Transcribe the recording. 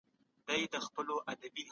د کار ځواک د کمښت ستونزه باید ژر حل سي.